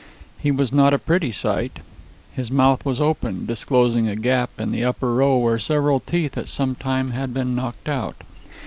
He was not a pretty sight. His mouth was open, disclosing a gap in the upper row where several teeth at some time had been knocked out.